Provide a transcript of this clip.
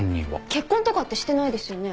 結婚とかってしてないですよね？